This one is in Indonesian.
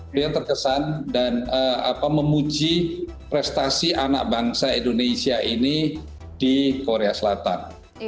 beliau terkesan dan memuji prestasi anak bangsa indonesia ini di korea selatan